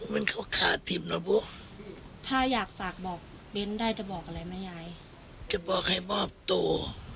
มันก็ขาติ่มนะโบถ้าอยากฝากบอกเบ้นได้จะบอกอะไรไหมยายจะบอกให้มอบตัว